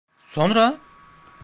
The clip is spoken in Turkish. Sonra?